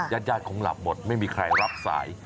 ญาติคงหลับหมดไม่มีใครรับสาย